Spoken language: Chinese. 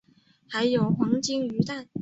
还有黄金鱼蛋